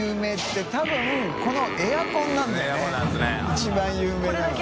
一番有名なのは。